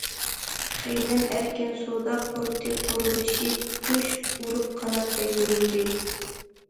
خەينەن ئەركىن سودا پورتى قۇرۇلۇشى جۇش ئۇرۇپ قانات يايدۇرۇلدى.